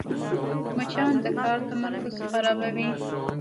مچان د کار تمرکز خرابوي